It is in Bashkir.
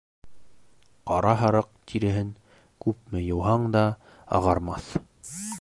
Ҡара һарыҡ тиреһен күпме йыуһаң да ағармаҫ.